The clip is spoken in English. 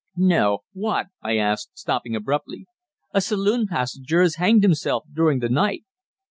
"No what?" I asked, stopping abruptly. "A saloon passenger has hanged himself during the night."